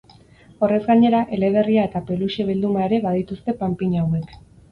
Horrez gainera, eleberria eta peluxe bilduma ere badituzte panpina hauek.